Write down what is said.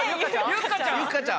ゆっかちゃん